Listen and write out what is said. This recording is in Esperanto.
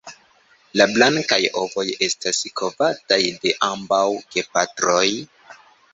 La blankaj ovoj estas kovataj de ambaŭ gepatroj.